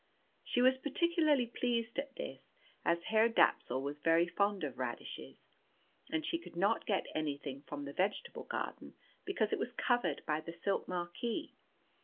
She was particularly pleased at this, as Herr Dapsul was very fond of radishes, and she could not get anything from the vegetable garden because it was covered by the silk marquee.